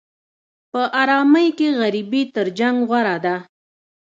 په ارامۍ کې غریبي تر جنګ غوره ده.